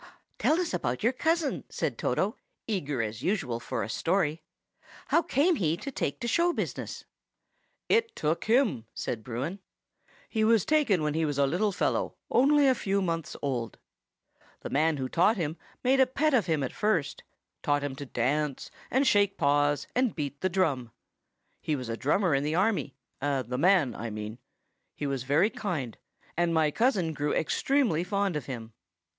"Tell us about your cousin!" said Toto, eager, as usual, for a story. "How came he to take to the show business?" "The man taught him to beat the drum." "It took him," said Bruin. "He was taken when he was a little fellow, only a few months old. The man who caught him made a pet of him at first; taught him to dance, and shake paws, and beat the drum. He was a drummer in the army,—the man, I mean. He was very kind, and my cousin grew extremely fond of him."